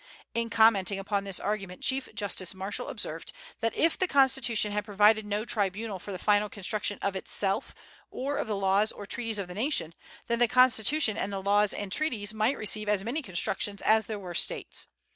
In commenting upon this argument, Chief Justice Marshall observed that if the Constitution had provided no tribunal for the final construction of itself, or of the laws or treaties of the nation, then the Constitution and the laws and treaties might receive as many constructions as there were States.